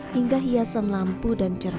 hingga hiasan lampu dan cerna